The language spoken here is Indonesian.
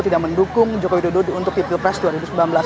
tidak mendukung jokowi dodo untuk di pilpres dua ribu sembilan belas